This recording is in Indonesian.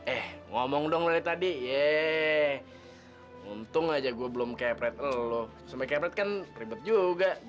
eh ngomong dong tadi ye untung aja gua belum kefret lu semakin ribet juga gua